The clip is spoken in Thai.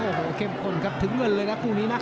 โอ้โหเข้มข้นครับถึงเงินเลยนะคู่นี้นะ